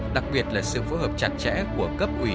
đặc biệt là sự phối hợp chặt chẽ của cấp ủy